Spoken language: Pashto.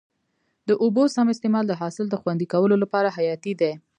د اوبو سم استعمال د حاصل د خوندي کولو لپاره حیاتي دی.